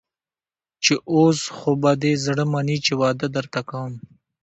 چې اوس خو به دې زړه مني چې واده درته کوم.